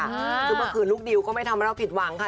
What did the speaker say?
คือเมื่อคืนลูกดิวก็ไม่ทำให้เราผิดหวังค่ะ